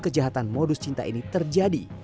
kejahatan modus cinta ini terjadi